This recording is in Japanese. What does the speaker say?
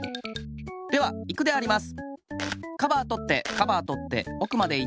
ではいくであります。